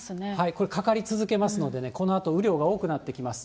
これ、かかり続けますので、このあと雨量が多くなってきます。